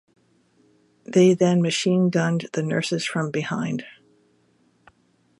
They then machine-gunned the nurses from behind.